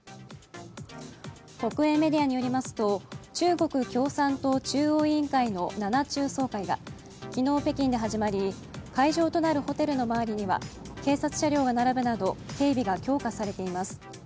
国営メディアによりますと中国共産党中央委員会の７中総会が昨日、北京で始まり会場となるホテルの周りには警察車両が並ぶなど警備が強化されています。